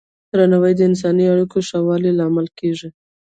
درناوی د انساني اړیکو ښه والي لامل کېږي.